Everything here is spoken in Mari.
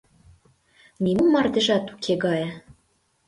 Нимо мардежат уке гае